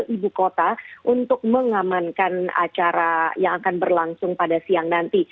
ibu kota untuk mengamankan acara yang akan berlangsung pada siang nanti